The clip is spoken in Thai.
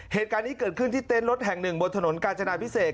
เหตุการณ์นี้เกิดขึ้นที่เต้นรถแห่งหนึ่งบนถนนกาญจนาพิเศษ